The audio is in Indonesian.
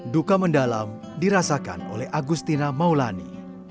duka mendalam dirasakan oleh agustina maulani